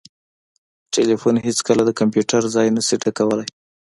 ټلیفون هیڅکله د کمپیوټر ځای نسي ډکولای